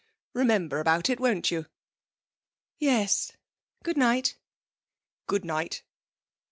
Remember about it, won't you?' 'Yes. Good night.' 'Good night.'